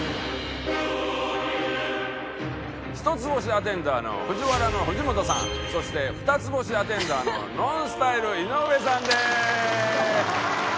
１つ星アテンダーのＦＵＪＩＷＡＲＡの藤本さんそして２つ星アテンダーのＮＯＮＳＴＹＬＥ井上さんです！